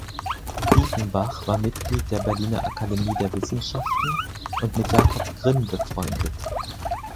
Diefenbach war Mitglied der Berliner Akademie der Wissenschaften und mit Jacob Grimm befreundet.